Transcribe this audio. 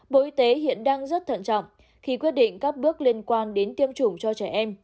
bộ y tế hiện đang rất thận trọng khi quyết định các bước liên quan đến tiêm chủng cho trẻ em